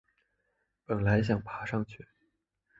本来想爬上去